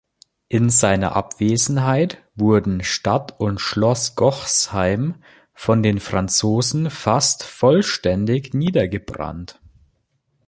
In seiner Abwesenheit wurden Stadt und Schloss Gochsheim von den Franzosen fast vollständig niedergebrannt.